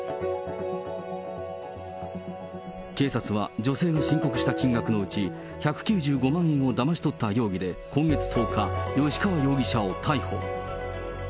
警察は、女性の申告した金額のうち、１９５万円をだまし取った容疑で今月１０日、吉川容疑者を逮捕。